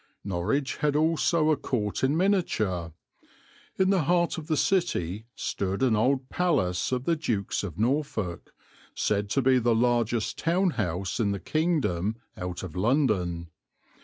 Norwich had also a court in miniature. In the heart of the city stood an old palace of the Dukes of Norfolk, said to be the largest town house in the kingdom out of London.